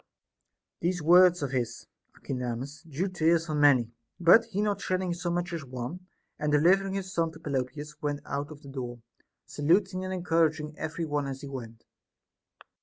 28. These words of his, Archidamus, drew tears from many ; but he not shedding so much as one, and deliver ing his son to Pelopidas, went out of the door, saluting and encouraging every one as he went.